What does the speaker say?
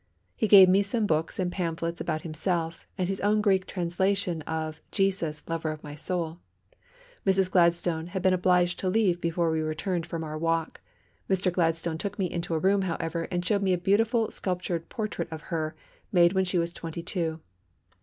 He gave me some books and pamphlets about himself, and his own Greek translation of "Jesus, Lover of my Soul." Mrs. Gladstone had been obliged to leave before we returned from our walk. Mr. Gladstone took me into a room, however, and showed me a beautiful sculptured portrait of her, made when she was twenty two.